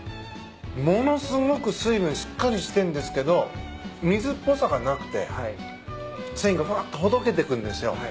ものすごく水分しっかりしてんですけど水っぽさがなくて繊維がふわってほどけていくんですよ。